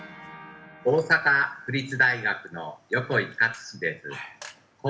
大阪府立大学の横井賀津志です。